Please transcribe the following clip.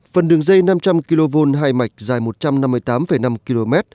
phần đường dây năm trăm linh kv hai mạch dài một trăm năm mươi tám năm km